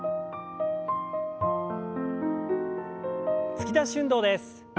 突き出し運動です。